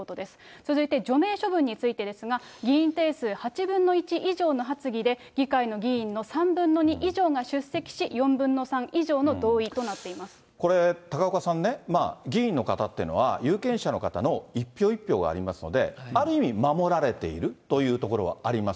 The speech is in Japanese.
続いて、除名処分についてですが、議員定数８分の１以上の発議で、議会の議員の３分の２以上が出席し、４分の３以上の同意となってこれ、高岡さんね、議員の方ってのは、有権者の方の一票一票がありますので、ある意味、守られているというところがあります。